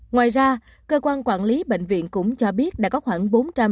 ngoài ra cơ quan quản lý bệnh viện cũng cho biết đã có khoảng